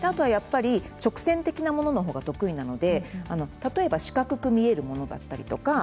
直線的なものが得意なので四角く見えるものだったり＊